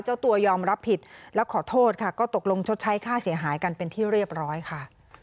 เจ้าตัวยอมรับผิดและขอโทษค่ะก็ตกลงชดใช้ค่าเสียหายกันเป็นที่เรียบร้อยค่ะ